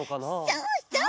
そうそう！